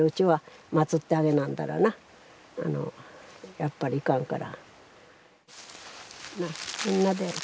やっぱりいかんから。